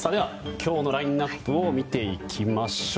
今日のラインアップを見ていきましょう。